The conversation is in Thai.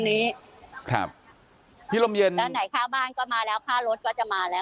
นี้ครับพี่ลมเย็นแล้วไหนค่าบ้านก็มาแล้วค่ารถก็จะมาแล้ว